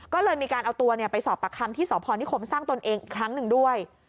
ก็เลยมีการเอาตัวไปสอบปากคำที่สพนิคมสร้างตนเองอีกครั้งหนึ่งด้วย